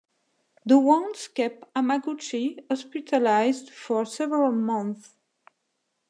The wounds kept Hamaguchi hospitalized for several months.